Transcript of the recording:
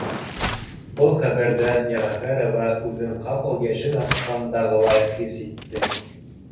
Был хәбәрҙән Йәғәфәрова үҙен ҡапыл йәшен атҡанда- ғылай хис итте